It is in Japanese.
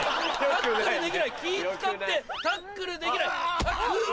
タックルできない気使ってタックルできない。